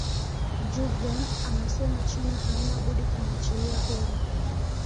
juglan amesema china haina budi kumwachilia huru